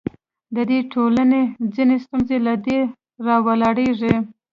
د دې ټولنو ځینې ستونزې له دې راولاړېږي.